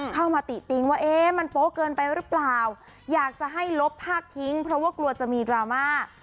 เข้ามาติติ๊งว่าเอ๊ะมันโป๊ะเกินไปหรือเปล่าอยากจะให้ลบพากทิ้งเพราะว่ากลัวจะมีดราม่า